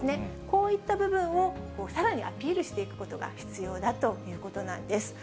こういった部分をさらにアピールしていくことが必要だということなんです。